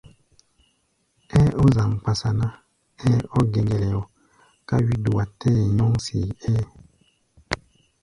Ɛ́ɛ́ ɔ́ zaŋ-kpasa ná, ɛ́ɛ́ ɔ́ gɛŋgɛlɛ ká wí-dua tɛ́ɛ nyɔ́ŋ see-ɛ́ɛ́.